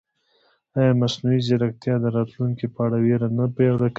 ایا مصنوعي ځیرکتیا د راتلونکي په اړه وېره نه پیاوړې کوي؟